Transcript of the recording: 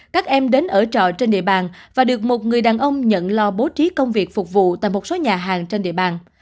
các em đến ở trọ trên địa bàn và được một người đàn ông nhận lo bố trí công việc phục vụ tại một số nhà hàng trên địa bàn